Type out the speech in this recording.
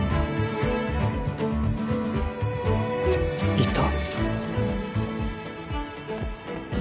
いた。